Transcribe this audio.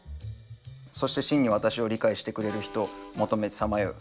そして真に私を理解してくれる人を求めさまよう。